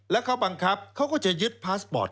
แล้วเขาบังคับเขาก็จะยึดพาสปอร์ต